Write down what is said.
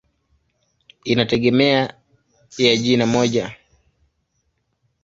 Inategemea ya jina moja.